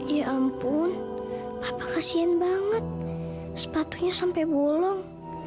ya ampun papa kasihan banget sepatunya sampai bolong